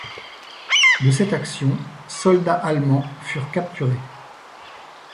De cette action, soldats allemand furent capturés.